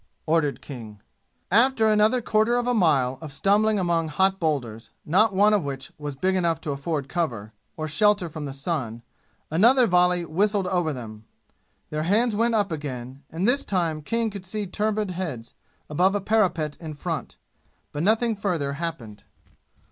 ordered King. After another quarter of a mile of stumbling among hot boulders, not one of which was big enough to afford cover, or shelter from the sun, another volley whistled over them. Their hands went up again, and this time King could see turbaned heads above a parapet in front. But nothing further happened.